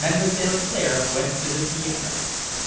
Mlle. Claire went to the piano.